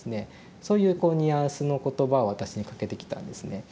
そういうこうニュアンスの言葉を私にかけてきたんですね。